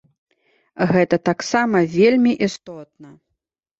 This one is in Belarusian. Гэта таксама вельмі істотна.